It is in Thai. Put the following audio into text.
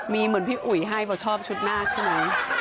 มีเหมือนพี่อุ๋ยให้เพราะชอบชุดหน้าใช่ไหม